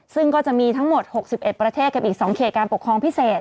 ซึ่งก็จะมีทั้งหมด๖๑ประเทศกับอีก๒เขตการปกครองพิเศษ